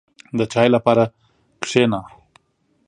• د چای لپاره کښېنه.